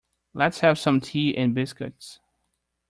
Let's have some tea and biscuits.